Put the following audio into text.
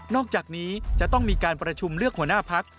อกจากนี้จะต้องมีการประชุมเลือกหัวหน้าพัก